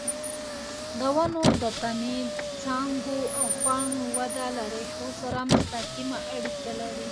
د ونو د تنې، څانګو او پاڼو وده له ریښو سره مستقیمه اړیکه لري.